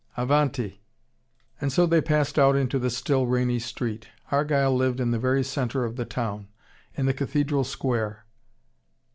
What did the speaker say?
Avanti!" And so they passed out into the still rainy street. Argyle lived in the very centre of the town: in the Cathedral Square.